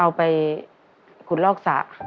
เอาไปคุดรอกศา